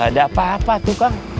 ada apa apa tuh kang